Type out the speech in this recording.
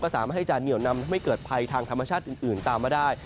สามารถให้จะเหนียวนำทำให้เกิดภัยทางธรรมชาติอื่นตามมาได้